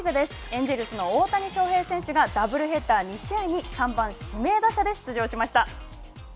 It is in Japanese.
エンジェルスの大谷翔平選手がダブルヘッダー２試合に３番、指名打者で出場しました。